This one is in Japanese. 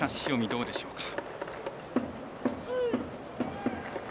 どうでしょうか。